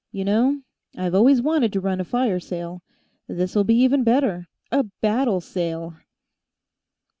"You know, I've always wanted to run a fire sale; this'll be even better a battle sale!"